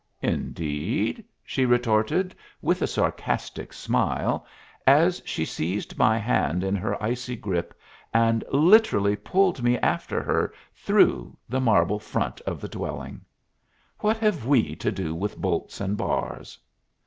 "Indeed?" she retorted, with a sarcastic smile, as she seized my hand in her icy grip and literally pulled me after her through the marble front of the dwelling. "What have we to do with bolts and bars?"